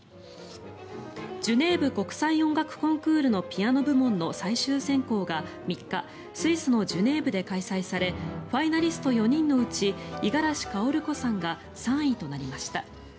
ジュネーブ国際音楽コンクールのピアノ部門の最終選考が、３日スイスのジュネーブで開催されファイナリスト４人のうち五十嵐薫子さんが３位となりました。